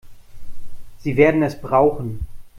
Sie werden es brauchen.